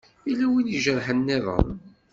Yella wi ijerḥen nniḍen?